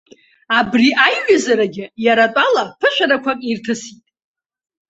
Абри аиҩызарагьы, иара атәала, ԥышәарақәак ирҭысит.